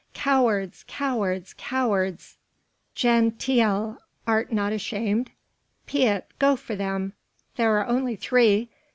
"Cowards! cowards! cowards! Jan Tiele, art not ashamed? Piet, go for them! There are only three!